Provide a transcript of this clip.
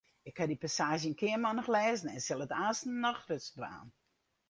Ik haw dy passaazje in kearmannich lêzen en sil it aanstens noch ris dwaan.